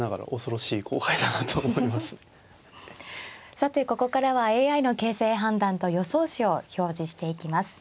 さてここからはＡＩの形勢判断と予想手を表示していきます。